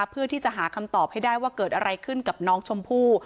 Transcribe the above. เพื่อที่จะหาคำตอบให้ได้ว่าเกิดอะไรขึ้นกับน้องชมพู่